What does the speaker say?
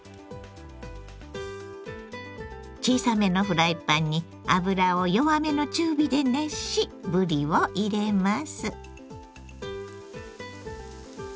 小さめのフライパンに油を弱めの中火で熱しぶりを入れます。